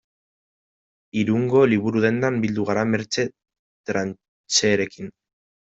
Irungo liburu-dendan bildu gara Mertxe Trancherekin.